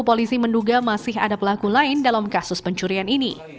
polisi menduga masih ada pelaku lain dalam kasus pencurian ini